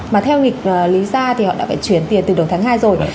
mà theo nghịch lý ra thì họ đã phải chuyển tiền từ đồng thái